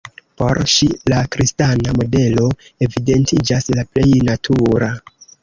Por ŝi la kristana modelo evidentiĝas la plej natura.